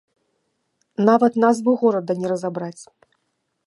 Нават назву горада не разабраць!